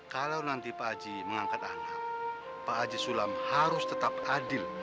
kalau nanti pak aji mengangkat anak pak aji sulam harus tetap adil